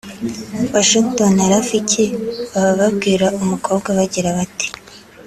Washington na Rafiki baba babwira umukobwa bagira bati